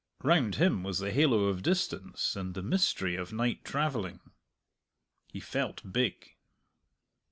Round him was the halo of distance and the mystery of night travelling. He felt big.